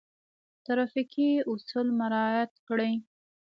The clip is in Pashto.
ټرافیکي اصول مراعات کړئ